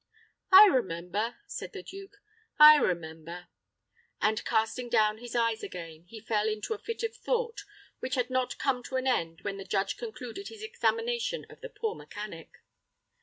"I remember," said the duke, "I remember;" and, casting down his eyes again, he fell into a fit of thought which had not come to an end when the judge concluded his examination of the poor mechanic.